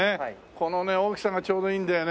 このね大きさがちょうどいいんだよね。